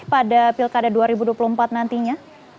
pada pilkada dua ribu dua puluh empat nantinya